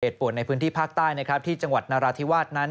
เหตุปวดในพื้นที่ภาคใต้ที่จังหวัดนาราธิวาสนั้น